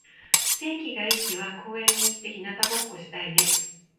天気が良い日は公園に行って日向ぼっこしたいね。